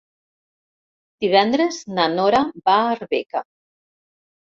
Divendres na Nora va a Arbeca.